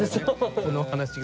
この話が。